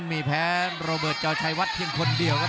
มีแพ้โรเบิร์ตเจ้าชายวัดเพียงคนเดียว